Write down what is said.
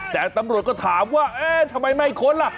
แต่ตำรวจก็ถามว่าเอ๊ะทำไมไม่ค้นล่ะ